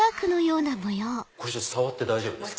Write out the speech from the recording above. これ触って大丈夫ですか？